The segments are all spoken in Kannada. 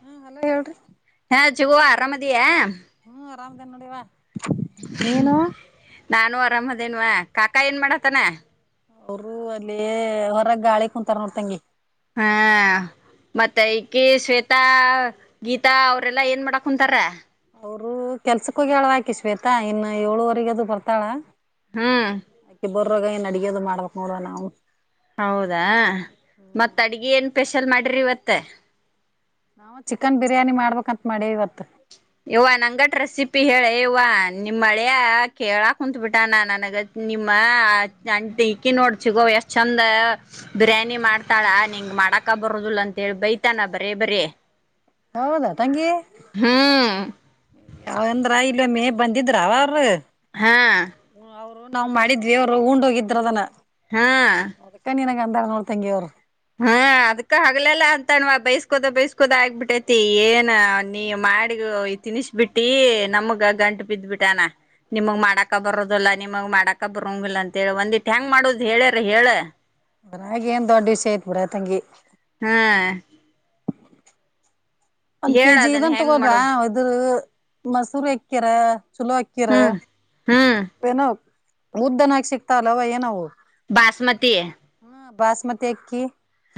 ಹ್ಮ ಹಲೋ ಹೇಳ್ರಿ ಅರಾಮದಿಯೇ ಹ್ಮ್ ಆರಾಮ್ಡಿನ್ ನಡವಾ ನಾನು ಆರಾಮದೇನ್ವ ಕಾಕಾ ಏನ್ ಮಾಡತನ ಅವರು ಅಲ್ಲಿ ಹೊರಗ್ ಗಾಳಿ ಕುಂತಾರ ನೋಡ್ತಂಗಿ ಹಾ ಮತ್ತ ಈಕಿ ಶ್ವೇತಾ ಗೀತಾ ಅವ್ರೆಲ್ಲಾ ಏನ್ ಮಾಡಾಕ್ ಕುಂತಾರ ಅವರು ಕೆಲ್ಸಕ್ಕ ಹೋಗಿ ಹೇಳವಾಕೆ ಶ್ವೇತಾ ಇನ್ನು ಏಳುವರೆಗ ಅದು ಬರ್ತಾಳ ಹ್ಮ್ ಬೊರ್ರಗ ಏನ್ ಅಡಿಯೋದು ಮಾಡ್ಬೇಕಕ್ ನೋಡುವ ನಾವು ಹೌದಾ ಮತ್ತತ್ ಅಡ್ಗೆ ಏನ್ ಸ್ಪೆಷಲ್ ಮಾಡಿರಿ ಇವತ್ತ ನಾವ ಚಿಕನ್ ಬಿರಿಯಾನಿ ಮಾಡ್ಬೇಕಂತತ್ ಮಾಡಿ ಇವತ್ತು ಯವ್ವ ನಂಗಟ್ ರೆಸಿಪಿ ಹೇಳೆ ಇವ ನಿಮ್ ಮಳ್ಯ ಕೇಳಾಕ್ ಕುಂತ್ಬಿಟಾನ ನನಗ ನಿಮ್ಮ ಅಂಟ ಇಕ್ಕಿ ನೋಡ್ ಚಗೋ ಎಷ್ಟ್ ಚಂದ ಬಿರಿಯಾನಿ ಮಾಡ್ತಾಳಾ ನಿಂಗ ಮಾಡಕ ಬರದಿಲ್ಲ ಅಂತೇಳಿ ಬೈತಾನ ಬರೇ ಬರೇ ಹೌದಾ ತಂಗಿ ಹ್ಮ್ ಯಾವಂದ್ರ ಇಲ್ಲ ಮೇ ಬಂದಿದ್ರಾವ ಅವ್ರರು ಹಾ ನಾವ್ ಮಾಡಿದ್ವಿ ಅವ್ರು ಊಂಡ್ ಹೋಗಿದ್ರ ಅದನ ಹಾ ಎಂಡ್ತಂಗಿ ಅವರು [unintelligible] ಹಾ ಅದ್ಕ ಹಗ್ಲಲ್ಲಾ ಅಂತಾಣವಾ ಬೈಸ್ಕೋದ ಬೈಸ್ಕೋದ ಆಗ್ಬಿಟ್ಟೈತಿ ಏನ ನೀ ಮಾಡಿಗ ತಿನಿಸಿ ಬಿಟ್ಟಿ ನಮಗ ಗಂಟು ಬಿದ್ಬಿಟ್ಟಾನ ನಿಮಗ್ ಮಾಡಾಕ ಬರದಲ್ಲಾ ನಿಮಗ್ ಮಾಡಾಕ ಬರಂಗಿಲ್ಲ ಅಂತ ಹೇಳಿ ಒಂದಿಟ್ಟ ಹೆಂಗ್ ಮಾಡುದ್ ಹೇಳ್ಯಾರ ಹೇಳ ಬ್ರ ಏನ್ ದೊಡ್ಡ ವಿಷಯ ಆಯತ್ ಬಿಡಾ ತಂಗಿ ಹ್ಮ ಒಂದ್ ಕೆಜಿ ಅದನ್ ಇದನ್ ಹೆಂಗ್ ಮಾಡೋದು ತಗೋದ್ರರು ಮಸೂರು ಎಕ್ಕ್ಯಾರ ಚಲೋ ಹಾಕಿರ ಹ್ಮ್ ಹ್ಮ್ ಏನೋ ಮುದ್ದನ ಹಾಕಿ ಸಿಕ್ತ ಅಲ್ಲವ ಏನವು ಬಾಸಮತಿಯ ಬಸ್ಮತಿ ಅಕ್ಕಿ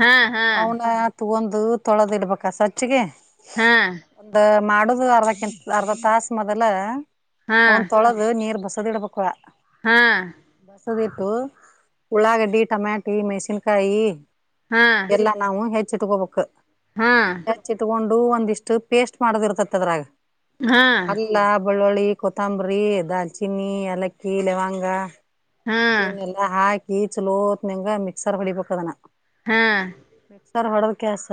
ಹಾ ಹಾ ಅವನ ತಗೊಂದು ತೊಳೆದ ಇಡ್ಬೇಕಾ ಸ್ಚ್ಿಗೆ ಹಾ ಮಾಡುದು ಅರ್ಧಂತ ಅರ್ಧ ತಸ್ ಮೊದಲ ಹಾ ಒ್ ತೊಳೆದು ನೀರ್ ಬಸದ ಇಡ್ಬೇಕ ಹಾ ದ ಇತ್ತು ಉಳ್ಳಾಗಡ್ಡಿ ಟಮ್ಯಾಟಿ ಮೆಣಸಿನಕಾಯಿ ಹಾ ಎಲ್ಲ ನಾವವು ಹೆಚ್ಚಿಟ್ಕೋಬೇಕು ಹಾ ಹೆಚ್ಚಿಟ್ಕೊಂಡ ಒಂದಿಷ್ಟ್ ಪೇಸ್ಟ್ ಮಾಡೋದ ಇರ್ತತ್ ಅದ್ರಾಗ ಹಾ ಅಲ್ಲ ಬೆಳ್ಳುಳ್ಳಿ ಕೊತ್ತಂಬರಿ ದ ಚಿನ್ನಿ ಲಕ್ಕಿ ಲವಂಗ ಹಾ ಇವನ್ನಲ್ಲಾ ಹಾಕಿ ಚಲೋತ್ ನಂಗ ಮಿಕ್ಸರ್ ಹೊಡಿಬೇಕ ಅದನ ಹಾ ಸರ್ ಹೊಡದ ಕೆಸ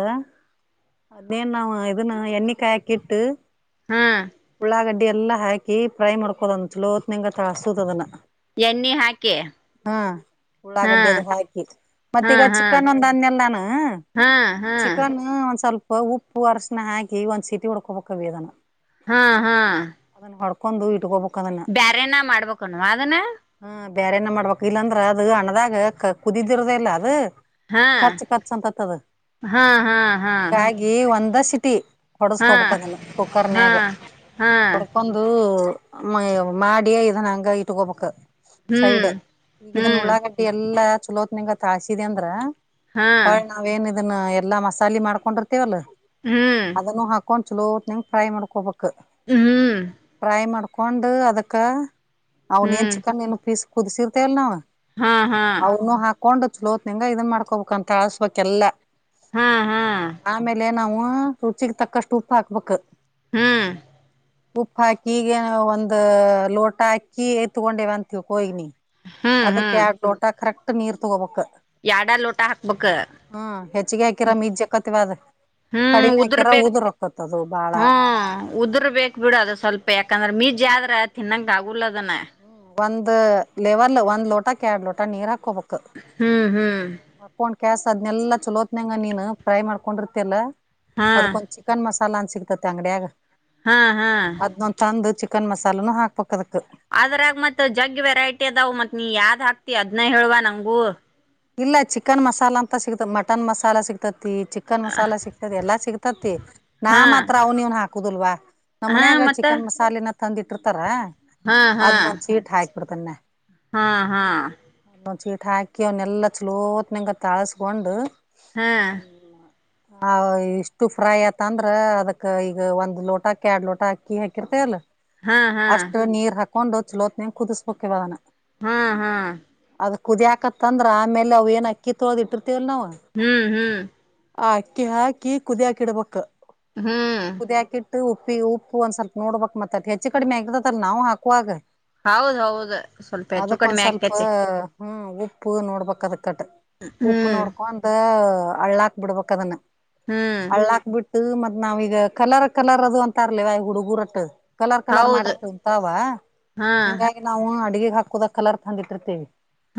ಅದೇನ್ ನಾವ ಇದನ್ನ ಎಣ್ಣಿಕಾಯಿ ಹಾಕಿಟ್ಟು ಹಾ ಉಳ್ಳಾಗಡ್ಡಿ ಎಲ್ಲಾ ಹಾಕಿ ಫ್ರೈ ಮಾಡ್ಕೋದಂತಲತ್ ನಿಂಗ ತಳ ಹಸುದ ಅದನ್ನ ಎಣ್ಣೆ ಹಾಕೆ ಉಳ್ಳಾಗಡ್ಡೆ ಅದು ಹಾಕಿತ್ತು ಮತ್ತ ಈಗ ಹಾ ಚಿಕನ್ ಒಂದ ಅಂದೆಲ್ಲಾನ ಹಾ ಹಾ ಚಿಕನ್ ಒಂದ್ ಸ್ವಲ್ಪ ಉಪ್ಪು ಅರಶಣ ಹಾಕಿ ಒಂದ್ ಸಿಟಿ ಉಡ್ಕೊಬಬೇಕದನ ಹಾ ಹಾ ಕಂದುು ಇಟ್ಕೋಬೇಕು ಬ್ಯಾರನ ಮಾಡ್ಬೇಕುನು ಅದನ್ನ ಹ ಬೇರೆ ಏನ ಮಾಡ್ಬೇಕಕ್ ಇಲ್ಲಾಂದ್ರ ಅದ ಹಣದಾಗ ಕುದಿದಿರದೇ ಇಲ್ಲ ಅದು ಹಾ ರ್ಚ ಕರ್ಚ ಆಂತ ತದ ಹಾ ಹಾ ಹಾ ಹಿಂಗಾಗಿ ಒಂದ ಸಿಟಿ ಹಾ ಹೊಡಸ್ಕೋಬೇಕದನ್ನ ಹಾ ಕುಕ್ಕರ್ನ್ಯಾಗ ಹಾ ಕೊಡ್ಕೊಂಡ ಮ ಮಾಡಿಯ ಇದನ್ಂಗ ಇಟ್ಕೊಬಕ್ ಹ್ಮ್ ಸೈಡ್ ಈಗ ಹ್ಮ್ ಉಳ್ಳಾಗಡ್ಡಿ ಎಲ್ಲಾ ಚಲೋತ್ ನಿಂಗತ್ ಹಾಸಿದ ಅಂದ್ರ ಹಾ ಹೊಳ ನಾವೇಏನ್ ಇದನ್ನ ಎಲ್ಲಾ ಮಸಾಲೆ ಮಾಡ್ಕೊಂಡಿರ್ತೇವಲ್ಲ ಹ್ಮ್ ಅದನ್ನು ಹಾಕೊಂಡ ಚಲೋತ್ನಂ ಫ್ರೈ ಮಾಡ್ಕೊಬೇಕು ಹ್ಮ್ ಫ್ರೈ ಮಾಡ್ಕೊಂಡು ಅದಕ್ಕೆ ಅವನ್ೇನ್ ಹ್ಮ್ ಚಿಕಕ್ಕನ್ ನೀನು ಫೀಸ್ ಕುದಿಸಿಿರ್ತ ಅಲ್ ನಾವ್ ಹಾ ಹಾ ಹೊಂಡಲೋತ್ ನಿಂಗ ಇದನ್ ಮಾಡ್ಕೋಬೇಕ ಅಂತ ಅಳ್ಸ್ಬೇಕಕ್ೆಲ್ಲ ಹಾ ಹಾ ಆಮೇಲೆ ನಾವ ಹೂ ರುಚಿಗೆ ತಕ್ಕಷ್ಟು ಉಪ್ಪ ಹಾಕ್ಬೇಕಕ್ ಹ್ಮ್ ಉಪ್ಪ ಹಾಕಿ ಈಗೇನ ಒಂದ ಲೋಟ ಹಾಕಿ ಎತ್ಕೊಂಡೇವಂತೀವಿ ಕಗ್ನಿ ಹ್ಮ್ ಅದಕ್ಕೆ ಹ್ಮ್ ಆಗ್ ಲೋಟ ಕರೆಕ್ಟ್ ನೀರ್ ತಗೋಬೇಕಕ್ು ಯಾಡ ಲೋಟ ಹಾಕ್ಬೇಕ ಹ್ಮ ಹೆಚ್ಚಿಗೆ ಹಾಕಿರ ಮ ಈಜ್ ಕತಿವ ಅಾದ ಹ್ಮ್ ಉದರ್ಬೇಕು ಬಾಳ ಹ್ಮ್ ಉದುರ್ ಬೇಕು ಬಿಡ ಅದು ಸ್ವಲ್ಪ ಯಾಕಂದ್ರೆ ಮೀ ನಿಜಜೆ ಆದ್ರ ತಿನ್ನಂಗ ಆಗಲ್ಲ ಅದನ ಒಂದ್ ಲೆವಲ್ ಒಂದ್ ಲೋಟಕ್ಕೆ ಎರಡ್ ಲೋಟ ನೀರ್ ಹಾಕಬು ಹ್ಮ್ ಹ್ಮ್ ಹಾಕೊಂಡ್ ಕ್ಯಾಸ್ ಅದ್ನೆಲ್ಲ ಚಲೋತ್ನಂಗ ನೀನ್ ಟ್ರೈ ಮಾಡ್ಕೊಂಡಿರ್ತಲ್ಲಾ ಹಾ ಅದ್ಕೊಂದ್ ಚಿಕನ್ ಮಸಾಲ ಅನ್ ಸಿಕ್ತತಿ ಅಂಗಡಿಯಾಗ ಹಾ ಹಾ ಚಿಕನ್ ಮಸಾಲನುೂ ಹಾಕ್ಬೇಕ ಅದಕ್ ಅದ್ರಾಗ ಮತ್ ಜಗ್ ವೆರೈಟಿ ಅದಾವ ಮತ್ ನೀ ಯಾವ್ದ್ ಹಾಕ್ತಿ ಅದ್ನ ಹೇಳುವ ನಂಗೂ ಇಲ್ಲ ಚಿಕನ್ ಮಸಾಲಾ ಅಂತ ಸಿಗ್ತ ಮಟನ್ ಮಸಾಲ ಸಿಗ್ತತಿ ಚಿಕನ್ ಮಸಾಲ ಸಿಗ್ತತಿ ಎಲ್ಲಾ ಸಿಗ್ತ ನಾ ಹಾ ಮಾತ್ರ ಅವ್ನ ಇವನ್ ಹಾಕುದಲ್ವಾ ನಮ್ಮ್ ಹಾ ಮನ್ಯಾಗ ಮತ್ತ ಚಿಕನ್ ಮಸಾಲೆ ತಂದಿ ಇಟ್ಟಿರ್ತಾರ ಹಾ ಹಾ ಅದ್ೊಂದ ಚೀಟ್ ಹಾಕ್ ಬಿಿಡ್ತಾನೆ ಹಾ ಹಾ ಹಾಕಿ ಅವನ್ನೆಲ್ಲ ಚಲೋತ್ನಗೆ ತಾಳ್ಸ್ಕೊಂಡು ಹಾ ಆ ಇಷ್ಟು ಫ್ರೈ ಆಯತ ಅಂದ್ರ ಅದಕ್ ಈಗ ಒಂದ್ ಲೋಟಕ್ಕೆ ಎಡ್ ಲೋಟ ಅಕ್ಕಿ ಹಾಕಿರ್ತೇಲ್ಲ ಹಾ ಹಾ ಅಷ್ಟು ನೀರ್ ಹಾಕೊಂಡು ಚಲೋತ್ನಂಗ ಕುದಿಸ್ಬೇಕಕ್ವಾನ ಹಾ ಹಾ ಕುದಿಯಾಕತ್ತ ಅಂದ್ರ ಆಮೇಲೆ ಅವವು ಏನ್ ಅಕ್ಕಿ ತೊಳದ ಇಟ್ಟಿತಿ ಹ್ಮ್ ಹ್ಮ್ ಅಕ್ಕಿ ಹಾಕಿ ಕುದಿಕಿ ಇಡ್ಬೇಕಕ್ ಹ್ಮ್ ಉಪ್ಪಿ ಉಪ್ಪು ಒಂದ ಸ್ವಲ್ಪ ನೋಡ್ಬಕ್ ಮತ್ತತ್ ಹೆಚ್ಚು ಕಡಿಮೆ ಆಗತದರ್ ನಾವು ಹಾಕುವಾಗ ಹೌದ ಹೌದು ಸ್ವಲ್ಪ ಹೆಚ್ಚು ಅದಕ್ ಒಂದ್ ಕಡಿಮೆ ಸ್ವಲ್ಪ ಆಕತಿ ಹ್ಮ್ ಉಪ್ಪು ನೋಡ್ಬದ ಕಟ್ ಉಪ್ಪು ಹ್ಮ್ ನೋಡ್ಕೊಂತ ಹಳ್ಳಾಕ್ ಬಿಡ್ಬದನ್ನ ಹ್ಮ್ ಮತ್ ನಾವೀಗ ಕಲರ್ ಕಲರ್ ಅದು ಅಂತ ಅರ್ಲಿವ ಹುಡುಗುರಟ್ಟ ಕಲರ್ ಕಲರ್ ಹೌದು ಮಾಡ್ರಿ ಉಂತಾವ ಹಾ ಹಿಂಗಾಗಿ ನಾವು ಅಡ್ಗೆಗ್ ಹಾಕುದಕ್ ಕಲರ್ ತಂದತಿರ್ತೇವಿ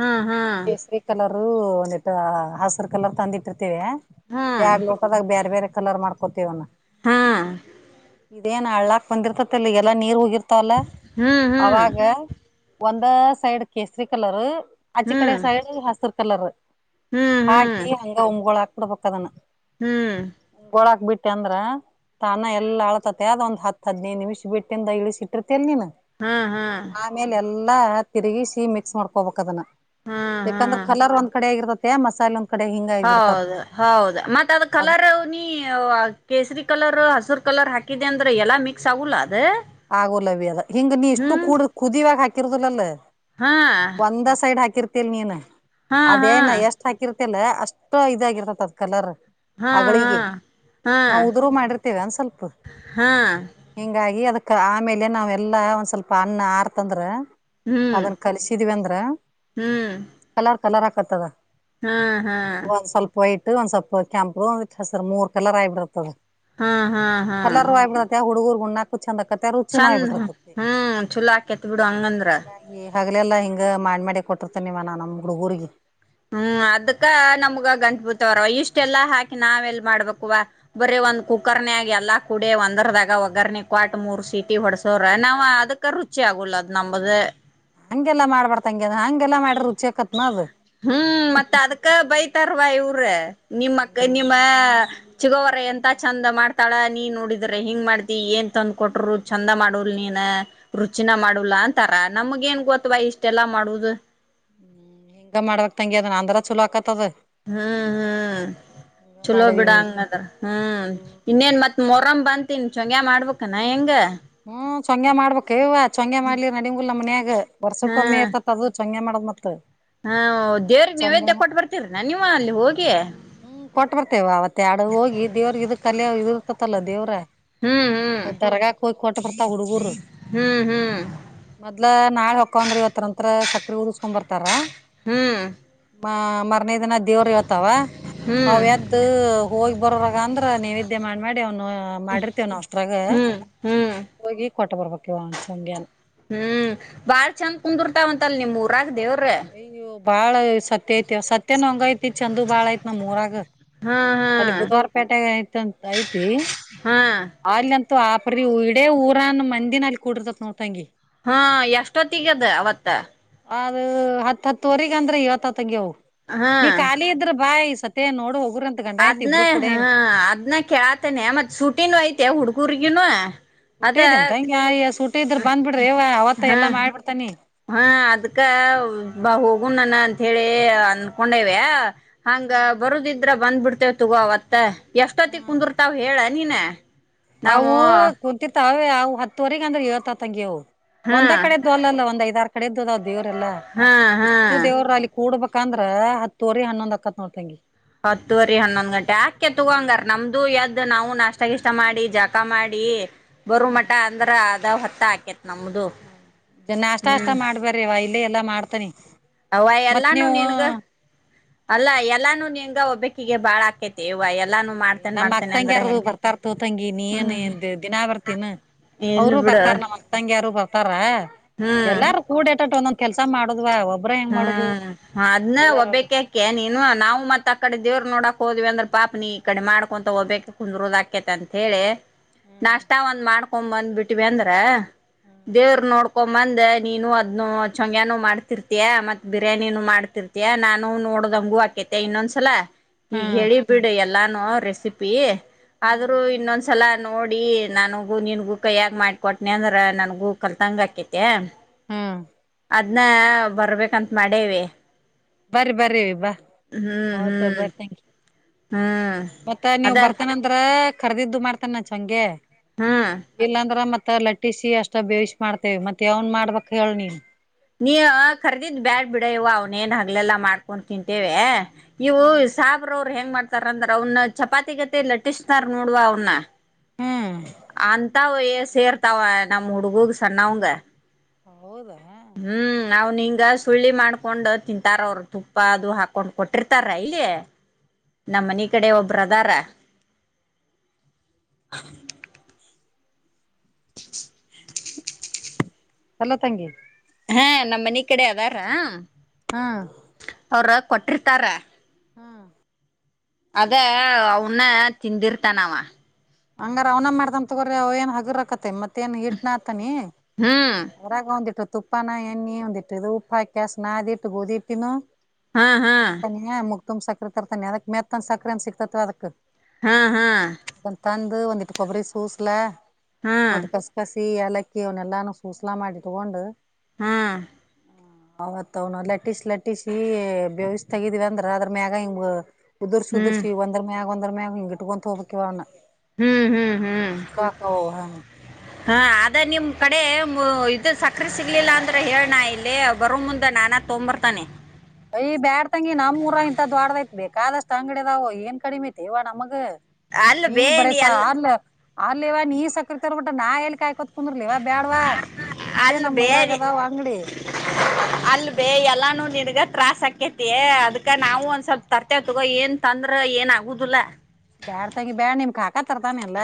ಹಾ ಹಾ ಕೇಸರಿ ಕಲರು ಒಂದಿಟ್ಟ ಹಸರು ಕಲರ್ ತಂದಿಟ್ಟಿ ವ ಹಾ ಎರಡ್ ಲೋಕದಾಗ ಬೇರೆ ಬೇರೆ ಕಲರ್ ಮಾಡ್ಕೋತೇವನ್ನ ಹಾ ಇದೇನ್ ಹಳ್ಳಾಕ್ ಬಂದಿರ್ತತಿಲ್ಲಿ ಎಲ್ಲಾ ನೀರ್ ಹಗಿರ್ತಲ್ಲ ಹ್ಮ್ ಹ್ಮ್ ಅವಾಗ ಒಂದ ಸೈಡ್ ಕೇಸರಿ ಕಲರು ಈ ಕಡೆ ಹ್ಮ್ ಸೈಡ್ ಹಸಿರ್ ಕಲರ್ ಹ್ಮ್ ಹಾಕಿ ಹ್ಮ್ ಹಂಗ ಉಂಗ್ಗಳು ಹಾಕ್ ಬಿಡ್ಬದನ ಹ್ಮ್ ಬಳಕ್ ಬಿಟ್ಟ ಅಂದ್ರ ತಾನ ಎಲ್ಲ ಅಳ್ತತಿ ಅದ ಒಂದ ಹತ್ ಹದಿನೈದು ನಿಮಿಷ ಬಿಟ್ಟಿಂದ ಇಳಿಸಿ ಇಟ್ಟಿರ್ ತಲ್ನಿನ ಹಾ ಹಾ ಆಮೇಲೆ ಎಲ್ಲಾ ತಿರುಗಿಸಿ ಮಿಕ್ಸ್ ಮಾಡ್ಕೊಬೇಕ ಅದನ್ನ ಹಾ ಯಾಕಂದ್ರೆ ಹಾ ಕಲರ್ ಒಂದ್ ಕಡೆ ಆಗಿರತತ್ತೆ ಮಸಾಲೆ ಕಡೆ ಹಿಂಗ ಆಗಿಬಿಡ್ತತ್ ಹೌದು ಹೌದು ಮತ್ತ ಅದ ಅದ್ ಕಲರ್ ನೀ ಕೇಸರಿ ಕಲರ್ ಹಸುರು ಕಲರ್ ಹಾಕಿದೆ ಅಂದ್ರೆ ಎಾ ಮಿಕ್ಸ್ ಆಗಲ್ಲ ಅದು ಆಗೋ ಲವ್ಯ ಅದ ಹಿಂಗ ನೀ ಇಷ್ಟು ಕಡ ಕುದಿಯಿವಾಗ ಹಾಕಿರದಿಲ್ಲಲ್ಲ ಹಾ ಒಂದ ಸೈಡ್ ಹಾಕಿರ್ತಲ್ ನೀನ್ ಹಾ ಹಾ ಅದೇನ ಎಷ್ಟ್ ಹಾಕಿರ್ತ ಲ್ಲ ಅಷ್ಟು ಇದಾಗಿರ್ತತ್ದ್ ಕಲರ್ ಹಾ ಹಾ ಹಾ ನಾವು ಉದುರುೂ ಮಾಡಿರ್ತೇವೆ ಅಂದ ಸ್ವಲ್ಪ ಹಾ ಹಿಂಗಾಗಿ ಅದಕ್ ಆಮೇಲೆ ನಾವೆಲ್ಲಾ ಒಂದ್ ಸ್ವಲ್ಪ ಅನ್ನ ಆಾರ್ತಂದ್ರೆ ಹ್ಮ್ ಅದನ್ ಕಲಸಿದೀವಿ ಅಂದ್ರ ಹ್ಮ್ ಕಲರ್ ಕಲರ್ ಆಾಕತ್ತದ ಹಾ ಹಾ ಒ ಒಂದ್ ಸ್ವಲ್ಪ ವೈಟ್ ಒಂದ್ ಸ್ವಲ್ಪ ಕೆಂಪ ಒಂದಸರ್ ಮೂರ್ಕಲ್ಲ ರಾಯ್ಬ ಬಿಡತದೆ ಹಾ ಹಾ ಹಾ ಎಲ್ಲಾರ ಆ್ಬಿಡ ಹುಡುಗುರು ಗುಣ್ಣಕು ಚಂದ ರುಚಿ ನ ಚಂದ ಬಿಿಟ್ಟರತ ಹ್ಮ್ ಚಲೋ ಆಕೇತ್ ಬಿಡು ಹಂಗಂದ್ರ ಹಗ್ಲೆಲ್ಲಾ ಹಿಂಗ ಮಾಡಿ ಕೊಟ್ಟಿರ್ತೇ ನಿವ ನಾ ನಮ್ ಹುಡುಗರಿಗೆ ಹ್ಮ್ ಅದ್ಕ್ಕ ನಮ್ಗ ಗಂಪುತವರ ಇಷ್ಟೆಲ್ಲಾ ಹಾಕಿ ನಾವೆಲ್ ಮಾಡ್ಬೇಕುುವ ಬರ ಒಂದ್ ಕುಕ್ಕರ್ನ ಆಗ ಎಲ್ಲಾ ಕೂಡ ಒಂದರ್ದಾಗ ಒಗ್ಗರ್ನ ಕಟ್ ಮೂರ್ ಸೀಟಿ ಹೊಡ್ಸೋ್ರ ನಾವ್ ಅದಕ್ಕರ್ ಪೂರ್ಚೆ ಆಗಲ್ಲ ಅದು ನಮ್ಮದು ಹಂಗೆಲ್ಲಾ ಮಾಡ್ಬಾರತ ಹಂಗೆ ಹಂಗೆಲ್ಲ ಮಾಡ್ರ ರುಚಿ ಆಕತ್ನ ಅದು ಹ್ಮ್ ಮತ್ತ ಅದ್ಕ ಬೈತಾರವಾ ಇವ್ರ ನಿಮ್ಮಕ್ಕ ನಿಮ್ಮ ಚಿಗೋವ್ರ ಎಂತ ಚಂದ ಮಾಡ್ತಾಳ ನೀ ನೋಡಿದ್ರೆ ಹಿಂಗ್ ಮಾಡ್ತಿ ಏನ್ ತಂದ ಕೊಟರು ಚಂದ ಮಾಡವಲ್ ನೀನ ರುಚಿನ ಮಾಡಲಾ ಅಂತಾರ ನಮ್ಗ ಏನ್ ಗೊತ್ವಾ ಇಷ್ಟೆಲ್ಲಾ ಮಾಡುದು ಹ್ಮ್ ಹಿಂಗ ಮಾಡ್ಬೇಕಕ್ ತಂಗಿ ಅದ ಅಂದ್ರ ಚಲೋ ಆಕತದ ಹ್ಮ್ ಹ್ಮ್ ಚಲೋ ಮಾಡವಿ ಬಿಡ ನೀನ್ ಹಂಗದ್ರ ಹ್ಮ್ ಇನ್ನೇನ್ ಮತ್ ಮೊರಮ ಬಂತ ತಿನ್ ಚಂಗಯ ಮಾಡ್ಬೇಕುನಾ ಹೆಂಗ ಹ್ಮ ಶಂಗ್ಯ ಮಾಡ್ಬೇಕವಯತ ಚೊಂಗೆ ಮಾಡ್ಲಿರ್ ನಡಗುಲ್ ನಮ್ಮ ಮನ್ಯಾಗ ಹಾ ವರ್ಷಕ್ಕ ಒಮ್ಮೆ ಇರ್ತತ್ ಅದು ಚೊಂಗೆ ಮಾಡದ್ ಮತ್ ಹಾ ದೇವ್ರ ಚಂಗ್ಯ ನೈವೇದ್ಯ ಕೊಟ್ಟ ಬರ್ತರರಿ ನ ನೀವ ಅಲ್ಲಿ ಹೋಗಿ ಹ್ಮ್ ಕೊಟ್ಟ ಬರ್ತೇವ ಅವತ್ತ ಎಡ ಹೋಗಿ ದೇವ್ರಿಗೆ ಇದ ಕಲ ಇದ ಇರ್ತತಲ್ಲ ದೇವ್ರರ್ಗಾ ಹ್ಮ್ [unintelligible] ಯಕ ಕೊಟ್ಟ ಬರ್ತ ಹುಡುಗರ್ ಹ್ಮ್ ಹ್ಮ್ ಹ್ಮ್ ಮೊದ್ಲ ನಾಳೆ ಹಕಂದ್ರ ಇವತ್ತ ನಂತ್ರ ಸ [unintelligible] ಕ್ರ ದ್ಕೊ್ ಬರ್ತಾ [unintelligible] ಹ್ಮ್ ಮ ಮರನೇ ದಿನ ದೇವ್ರ ಇತಾವ ಹ್ಮ್ ಅವ್ಯದ್ದು ಹೋಗಿ ಬರಾಗ ಅಂದ್ರ ನೀವ ಮಾಡ್ ಮಾಡಿ ಅವ್ನು ಮಾಡಿರ್ತೇವ್ ಅಷ್ಟತ್ರಾಗ ಹ್ಮ್ ಹ್ಮ್ ಹೋಗಿ ಕೊಟ್ಟ ಬರ್ಬೇಕೆ ಒ ಚಂಗೆ ಹ್ಮ್ ಬಾಳ ಚಂದ ಕುಂದರ್ತಾವಂತ ಅಲ್ ನಿಮ್ ಊರಾಗ ದೇವ್ ಅಯ್ಯೋ ಬಾಳ ಸತ್ಯ ಐತಿ ಸತ್ಯನ ಹಂಗ ಐತಿ ಚಂದ ಬಾಳು ಐತ್ ನಮ್ ಊರಾಗ ಹಾ ಹಾ ಅಲ್ಲಿ ಬುಧವಾರ ಪೇಟೆಗೆ ಐತಂತ ಐತಿ ಹಾ ಆಲ್ಂತ ಆಪರಿ ಇಡೇ ಊರನ್ ಮಂದಿನ ಅಲ್ಲಿ ಕುೂಡರ್ತಕ್ ನೋಟಂಗಿ [inaudible] ಹಾ ಎಷ್ಟೊತ್ತಗದ ಅವತ್ತ ಅದ ಹತ್ ಹತ್ತುವರೆಗ ಅಂದ್ರೆ ಇವತ್ತುತ್ತಂಗಗೆವು ಹಾ ನೀ ಖಾಲಿ ಇದ್ರೆ ಬಾಯ ಸತ್ತ ನೋಡು ಹೋಗುರ್ ಅಂತ ಗಂಡ ಹೆಂಡ್ತಿ ಅದ್ನ ಇಬ್ರು ಹ ಕೂಡೆ ಅದ್ನ ಕೇಳತೇನೆ ಮತ್ ಸುಟಿನೂ ಐತೆ ಹುಡ್ಗುರ್ಗನು ಸೂಟಿ ಇದೆ ಅಂತ ಹಂಗಗೆ ಸೂಟಿಟ ಇದ್ರರು ಬಂದ್ ಬಿಡ್ರಿ ಇವ ಅವತ್ತ ಹಾ ಎಾ ಮಾಡ್ಬಿಡ್ತಾನಿ ಹಾ ಅದ್ಕ ಬಾ ಹೋಗುಣ ನನ ಅಂತ ಹೇಳಿ ಅನ್ಕೊಂಡೇವ [unintelligible] ಹಂಗ ಬರುದಿದ್ರ ಬಂದ್ಬ ಬಿಡ್ತೇವ ತಗೋ ಅವತ್ತ ಎಷ್ಟೊತ್ತ ಹ್ಮ್ ಕುಂದಿರ್ತಾವ ಹೇಳ ನೀನೇ ಅವು ಕುಂತತೆ ಅವು ಹತ್ತುವರೆಗ ಅಂದ್ರ ಹೇಳ್ತ ತಂಗಿವು ಹಾ ಒಂದ ಕಡೆದು ಅಲ್ಲಲ್ಲ ಒಂದ್ ಐದ ಆಾರ ಕಡೆದ್ದು ಅದಾವ್ ದೇವ್ರಲ್ಲಾ ಹಾ ಹಾ ಇಷ್ಟು ದೇವ್ರ ಅಲ್ಲಿ ಕೂಡ್ಬೇಕು ಅಾಕಂದ್ರ ಹತ್ತುವರಿ ಹನ್ನೊಂದ್ ಅಕ್ಕತ್ ನೋಡ್ತಂಗಿ ಹತ್ತುವರಿ ಹನ್ನೊಂದ್ ಗಂಟೆ ಯಾಕೆ ತಗಂಗಾರ ನಮ್ದು ಯದ್ದ್ ನಾ್ ನಾಷ್ಟಗಿಷ್ಟ ಮಾಡಿ ಜಕ ಮಾಡಿ ಬರು ಮಠ ಅಂದ್ರ ಅದ ಹೊತ್ತ ಹಾಕೆತ್ತ ಹ ನಾಸ್ ಅಸ್ ಮಾಡ್ಬ್ರಿವ ಇಲ್ಲೇ ಎಲ್ಲಾ ಮಾಡ್ತನಿ ಅವ ಮತ್ ಎಲ್ಲಾನು ನೀವು ನಿನ್ಗ ಅಲ್ಲ ಎಲ್ಲಾನು ನಿನ್ಗ ಒಬ್ಬಕ್ಕಿಗೆ ಭಾಳ ಹಾಕೇತಿವ ನಮ್ಮ ಅಕ್ ತಂಗಿಯರು ಬರ್ತಾರತ ತಂಗಿ ನೀ ಏನ್ ದಿನಾ ಬರ್ತೀಿನ ಇಲ್ ಅವರುೂ ಬಿಡು ಬರ್ತಾರ ನಮ್ಮ ಅಕ್ಕ ತಂಗಿ ಯಾರು ಬರ್ತಾರೆ ತಾರ ಹ್ಮ್ ಎಲ್ಲಾರು ಕೂಡೇಟಟ್ಟ ಒಂದೊಂದ ಕೆಲ್ಸ ಮಾಡ್ ಒಬ್ಬ ಹ್ಮ್ ಅದ್ನ್ನ ಒಬ್ಬೇಕ್ಯಾಕೆ ನೀನು ನಾವು ಮತ್ ಆ ಕಡೆ ದೇವ್ರ ನೋಡಾಕ್ ಹೋದ್ವಿ ಅಂದ್ರ ಪಾಪ ನೀ ಈ ಕಡೆ ಮಾಡ್ಕೊಂತ ಹೋಗ್ಬ ಕುಂದ್ರೋದ್ ಆಾಕೇತ ಅಂತ ಹೇಳಿ ಹ್ಮ್ ನಾಷ್ಟ ಒಂದ್ ಮಾಡ್ಕೊಂಡ ಕೊ್ ಬಂದ್ ಬಿಟ್ಟವಿ ಅಂದ್ರ ದೇವ್ರ ನೋಡ್ಕ ಕಕೊಂಬಂದ್ ನೀನು ಅದ್ ಚಂಗ್ಯಾನು ಮಾಡ್ತಿರ್ತ [unintelligible] ಇತ ಮತ್ ಬಿರಿಯಾನಿನ ಮಾಡ್ತಿರ್ತಯಾ ನಾನು ನೋಡದ ಹಂಗು ಆಾಕೇತಿ ಇನ್ನೊಂದ್ಸಲ [unintelligible] ಈಗ ಹ್ಮ್ ಹೇಳಿ ಬಿಡು ಎಲ್ಲಾನು ರೆಸಿಪಿ ಆದ್ರೂ ಇನ್ನೊಂದ್ಸಲ ನೋಡಿ ನನಗೂ ನಿನ್ಗೂ ಕೈಯಾಗೆ ಮಾಡಿಕ ಕೊಟ್ನಿ ಅಂದ್ರ ನನ್ಗೂ ಕಲ್ತಂಗ ಆಕೈತೆ ಹ್ಮ ಅದನ ಬರ್ಬೇಕಂತ ಮಾಡೇವಿ ಬರಿ ಬರ ಬಾ ಹ್ಮ್ ಹೌತ ಬರ ಹ್ಮ್ ರ್ಯಾಂಕ್ ಯು [unintelligible] ಹ್ಮ್ ಮತ್ತ ಅದ ನೀವ್ ಬರ್ತಾನ ಅಂದ್ರ ಕಖರ್ದಿದ್ದು ಮಾಡ್ತಾನ ಚಂಗಗೆ ಹ್ಮ್ ಇಲ್ಲಾಂದ್ರ ಮತ್ತ ಮತ್ತ ಲಟ್ಟಿಸಿ ಅಷ್ಟ ಬೇಯಿಸಿ ಮಾಡ್ತೇವೆ ಮತ್ತೆ ಅವನ್ ಮಾಡ್ಬಕ್ ಹೇಳ ನೀ ನೀ ಕರ್ದಿದ್ ಬ್ಯಾಡ್ ಬಿಡ ಇವ ಅವ್ನೇಏನ್ ಹಗ್ಲೆಲ್ಲಾ ಮಾಡ್ಕೊಂಡ್ ತಿಂತೇವೆ ಇವು ಸಾಬ್ರ ಅವ್ರರು ಹೆಂಗ ಮಾಡ್ತಾರ ಅಂದ್ರ ಅವನ ಚಪಾತಿ ಗತೆ ಲಟ್ಟಿಸ್ತಾರ ನೋಡ್ವಾ ಅವ್ನ್ನ ಹ್ಮ್ ಹತಾವಯ ಸೇರ್ತಾವ ನಮ್ಮ್ ಹುಡ್ಗಗ್ ಸಣ್ಣವಂಗ ಹೌದಾ [unintelligible] ಹ್ಮ್ ಅವ್ನ ಹಿಂಗ ಸುಳ್ಳಿ ಮಾಡ್ಕೊಂಡ ತಿಂತಾರ ಅವ್ರ ತುಪ್ಪ ಅದು ಹಾಕೊಂಡ್ ಕೊಟ್ಟಿರ್ತಾರ ಇಲ್ಲಿ ತಂಗಿ ನಮ್ಮ ಮನಿ ಕಡೆ ಒಬ್ಬ್ರ ಅದಾರ [unintelligible] [unintelligible] ಅಲ್ಲ ತಂಗಿ ಹೇ ನಮ್ಮ್ ಮನಿ ಕಡೆ ಅದಾರ ಹಾ ಅವರು ಕೊಟ್ಟಿರ್ತಾರ ಹಾ ಅದೇ ಅವನ್ನ ತಿಂದಿರ್ತಾನ ಅವ ಹಂಗಾರ ರ ಅವ್ನ ಮಾಡ್ತ ತೊಗೋರಿ ಅವ ಏನ್ ಹಗುರಕತ್ತ ಮತ್ತೇನ್ ಹಿಟ್ನ ಆತಾನಿ ಹ್ಮ್ ಹೊರಾಗ ಒಂದಿಟ್ಟು ತುಪ್ಪಾನ ಎಣ್ಣಿ ಒಂದಿಟ್ಟ ಇದು ಉಪ್ಪ ಹಾಕಸ್ ನಾ ಇಟ್ಟ ಗೊದಿಟ್ಟಿನ ಹಾ ಹಾ ಹ ತನಿ ಮುಕ್ ತುಂಬ್ ಸಕ್ಕರೆ ತರ್ತಾನಿ ಅದಕ್ ಮೆತ್ಂದ ಸಕರೆ ಅನ್ ಸಿಕ್ತತ ಅದಕ್ ಹಾ ಹಾ ಒಂದಿಟ್ ಕೊಬ್ಬರಿ ಸೂಸಲ ಹಾ ಕಸ ಕಸಿ ಏಲಕ್ಕಿ ಅವನ್ ಎಲ್ಲಾನು ಪೂಸ್ಲ ಮಾಡ್ ಇಟ್ಕೊಂಡು ಹಾ ಅವತ್ ಅವ್ನು ಲಟ್ಟಿಸ್ ಲಟ್ಟಿಸಿ ಬೇವಿಸ ತಗಿದಿವವಿ ಅಂದ್ರ ಅದ್ರ ಮ್ಯಾಗ ಹಿಂಗ ಉದರ್ಶಿ ಹ್ಮ್ ಉದುಶ್ರಿ ಒಂದರಮೇಗ ಒಂದರಮೇಗ ಇಂಗುಟ್ಕೊಂತ ಹೋಗ್ಬೇಕಿವಾಗ ಹ್ಮ್ ಹ್ಮ್ ಹ್ಮ್ [unintelligible] ಹಾ ಆದೆ ನಿಮ್ ಕಡೆ ಇದು ಸಕ್ಕ್ರೆ ಸಿಗ್ಲಿಲ್ಲ ಅಂದ್ರೆ ಹೇಳ್ ನಾ ಇಲ್ಲಿ ಬರೋ ಮುಂದೆ ನಾನ ತೊಂಬರ್ತ್ತನೆ ಅಯ್ ಬ್ಯಾಡ್ ತಂಗಿ ನಮ್ ಊರ ಇಂತ ದೋಡ್ಡ್ದಐತ್ ಬೇಕಾದಷ್ಟ್ ಅಂಗಡಿದಾವು ಏನ್ ಕಡಿಮೆತೆ ಅವ ನಮಗ ಅಲ್ ನೀ ಬೇ ಬರಸ ಎಲ್ಲ ಆರ್ಲ ಆರ್ಲಿ ಇವ ನೀ ಸಕ್ರತಿವರ್ಬಿಟ ನಾ ಎಲ್ಲಿ ಕಾಯಕೋತ್ ಕುಂದ್ರರ್ಲಿವಾ ಬ್ಯಾಡವಾ ಇದೇ ಅಲ್ ನಮ್ ಬೇ ಊರಾಗದಾವ ಅಂಗಡಿ ಅಲ್ ಬೇ ಎಲ್ಲಾನು ನಿಡ್ಗತ್ ತ್ರಾಸ್ ಆಕೇತಿ ಅದಕ ನಾವು ಒಂದ್ ಸ್ವಲ್ಪ ತರ್ತವ ತಗೋ ಏನ್ ತಂದ್ರ ಏನ್ ಆಗುದಿಲ್ಲಾ ಬ್ಯಾಡ್ ತಂಗಿ ಬ್ಯಾಡ್ ನಿಮ್ ಕಾಕಾ ತರ್ತಾನೆಲ್ಲ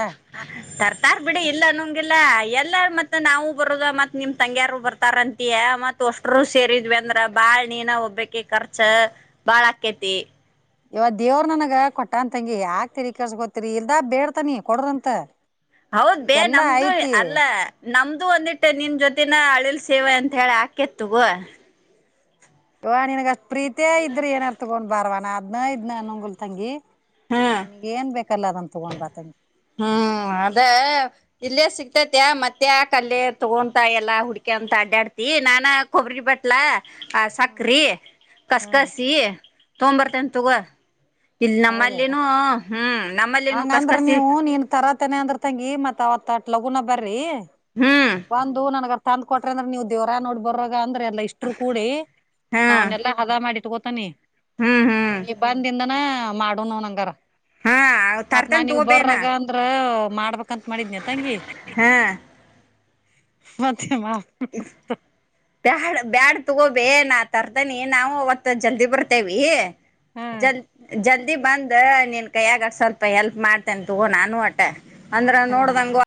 ತರ್ತಾರ್ ಬಿಡಿ ಇಲ್ಲ ಅನಂಗಿಲ್ಲ ಎಲ್ಲ ಮತ್ತೆ ಮತ್ತ ನಾವು ಬರದ ಮತ್ ನಿಮ್ ತಂಗ್ಯಾರರು ಬರ್ತಾರಂತ ಅಂತೀಯಾ ಮತ್ ಅಷ್ಟರು ಸೇರಿದ್ವಿ ಅಂದ್ರ ಬಾಳ್ ನೀನ ಬೇಕಿ ಖರ್ಚ ಬಾಳಕೆತಿ ಇವ ದೇವ್ರ ನನಗ ಕೊಟ್ಟಾನ್ತಂಗಿ ಆಕ್ ತಲಿಕೆಡುಸ್ಕೊತೀರಿ ಇಲ್ದ ಬೇಡ್ತಾನಿ ಕೊಡ್ರಂತ ಹೌದ್ ಬೇ ಈಗೆಲ್ಲಾ ನಮ್ದು ಐತಿ ಅಲ್ಲ ನಮ್ದು ಒಂದಿಟ್ಟ ನಿಮ ಜೊತೆನ ಅಳಿಲ್ ಸೇವೆ ಅಂತ ಹೇಳಿ ಆಕೆತಗೋ ಅವ್ವ ನಿನ್ಗ ಅಷ್ಟ್ ಪ್ರೀತ ಇದ್ರ ಏನಾರು ತಗೊಂಡ್ ಬಾರ್ವ ನಾ ಅದ್ನ ಇದ್ನ ಅನಂಗಿಲ್ ತಂಗಿ ಹ್ಮ್ ನಿನಗ್ ಏನ್ ಬೇಕಲ್ಲ ಅದನ್ ತಗೊಂಡ್ ಬಾ ತಂಗಿ ಹ್ಮ್ ಅದೇ ಇಲ್ಲೇ ಸಿಗ್ತ ಇತೈತೆ ಮತ್ತ್ಯಾಕಲ್ಲ ತಗೊಂತ ಎಲ್ಲಾ ಹುಡ್ಕೆಂತ ಅಡ್ಡಾಡ್ತಿ ನಾನ ಕೊಬ್ರಗಿ ಬಟ್ಲಾ ಆ ಸಕ್ರೆ ಕಸಕಸಿ ತೊಂಬರ್ತಿನ್ ತಗೋ ಇಲ್ಲಿ ನಮ್ಮಲ್ ಹಂಗಂದ್ರೆ ಕಸ್ಕಸಿ ನೀವು ನೀನ್ ತರತೇನೆ ಅಂದ್ರ ತಂಗಿ ಮತ್ ಅವತ್ತ ಲಗೂನ ಬರ್ರಿ ಹ್ಮ್ ಒಂದು ನನ್ಗ ಅದ್ ತಂದ್ ಕೊಟ್ರ ಅಂದ್ರೆ ನೀವು ದೇವರ ನೋಡ್ಬರ್ರ ಅಂದ್ರೆ ಎಲ್ಲಾ ಇಷ್ಟರು ಕೂಡಿ ಹಾ ನಾನೆಲ್ಲಾ ಹದ ಮಾಡಿ ಇಟ್ಕೋತೀನಿ ಹ್ಮ್ ಹ್ಮ್ ನಿ ಬಂದಿಂದಾನ ಮಾಡನ ನೋಡಂಗರ ಹಾ ಮತ್ತ್ ತರ್ತೇನ್ ನಾನಿಗ್ ತಗೋಬೇನ ಬರಗ ಅಂದ್ರ ಮಾಡ್ಬೇಕಂತ ಮಾಡಿದ್ನಿ ತಂಗಿ ಹಾ ಮತ್ತೆ ಬ್ಯಾ ಬ್ಯಾಡ್ ತಗೋಬೇ ನಾ ತರ್ದನಿ ನಾವು ಅವತ್ತು ಜಲ್ದಿ ಬರ್ತೇವಿ ಹಾ ಜಲ್ ಜಲ್ ಬಂದ್ ನಿನ್ ಕೈಯಾಗ ಸ್ವಲ್ಪ ಎಲ್ಪ್ ಮಾಡ್ತೇನೆ ತಗೋ ನಾನು ಅಟ್ಟ ಅಂದ್ರ ಹಾ ನೋಡ್ದಂಗ